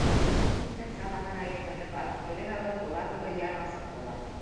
Ун көн самаһына етерлек аҙыҡ-түлек алып, улар бөгөн ярға сыҡтылар.